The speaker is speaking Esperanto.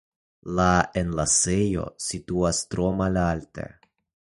La enlasejo situas tro malalte.